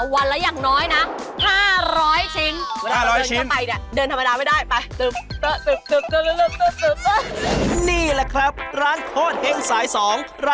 วันละอย่างน้อยนะ